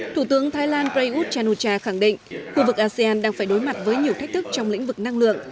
thủ tướng thái lan prayuth chanucha khẳng định khu vực asean đang phải đối mặt với nhiều thách thức trong lĩnh vực năng lượng